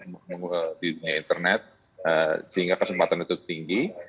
masuk ke dunia internet sehingga kesempatan itu tinggi